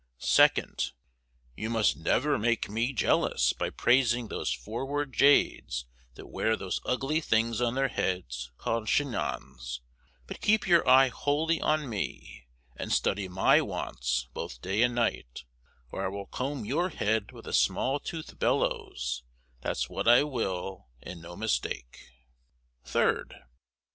2nd. You must never make me jealous by praising those forward jades that wear those ugly things on their heads called chignons, but keep your eye wholly on me, and study my wants both day and night, or I will comb your head with a small tooth bellows, that's what I will, and no mistake. 3rd.